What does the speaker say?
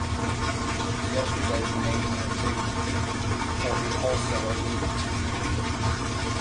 Yesterday he made me indignant, for he also alluded to me.